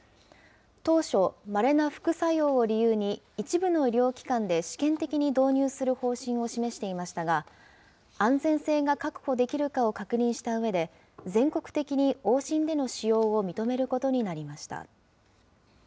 当初、まれな副作用を理由に一部の医療機関で試験的に導入する方針を示していましたが、安全性が確保できるかを確認したうえで、全国的に往診での使用を認めることになりました。